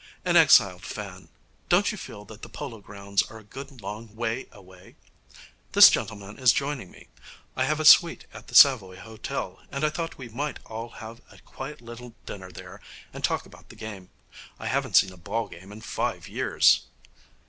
'An exiled fan. Don't you feel that the Polo Grounds are a good long way away? This gentleman is joining me. I have a suite at the Savoy Hotel, and I thought we might all have a quiet little dinner there and talk about the game. I haven't seen a ball game in five years.'